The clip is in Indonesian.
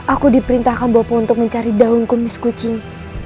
aku diperintahkan bapak untuk mencari daun kumis kucing